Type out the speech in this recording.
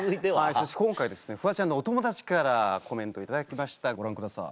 そして今回フワちゃんのお友達からコメント頂きましたご覧ください。